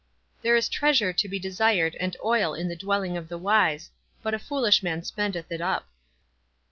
There is treasure to be desired and oil in the dwelling of the wise ; but a foolish man spendeth it up."